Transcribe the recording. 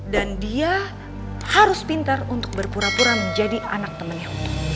dan dia harus pintar untuk berpura pura menjadi anak temennya